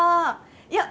いや！